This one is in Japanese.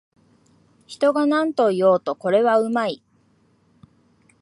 人がなんと言おうと、これはうまい